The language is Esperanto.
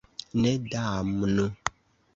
Ne, damnu.